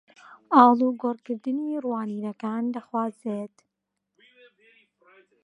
ئاڵوگۆڕکردنی ڕوانینەکان دەخوازێت